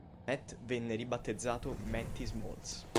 Matt venne ribattezzato Matty Smalls.